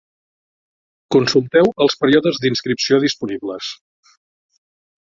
Consulteu els períodes d'inscripció disponibles.